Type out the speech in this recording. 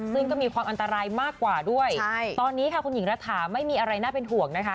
ซึ่งก็มีความอันตรายมากกว่าด้วยตอนนี้ค่ะคุณหญิงรัฐาไม่มีอะไรน่าเป็นห่วงนะคะ